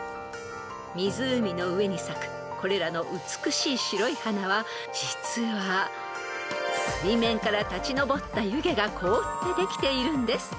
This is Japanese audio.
［湖の上に咲くこれらの美しい白い花は実は水面から立ち上った湯気が凍ってできているんです］